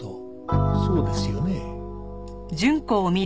そうですよね？